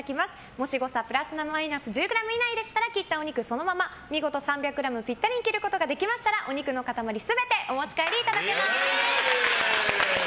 もし誤差プラスマイナス１０ｇ以内であれば切ったお肉をそのまま見事３００ｇぴったりに切ることができましたらお肉の塊全てお持ち帰りいただけます。